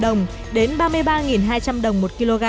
ba mươi hai hai trăm linh đồng đến ba mươi ba hai trăm linh đồng một kg